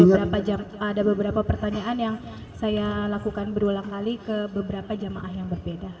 ada beberapa pertanyaan yang saya lakukan berulang kali ke beberapa jamaah yang berbeda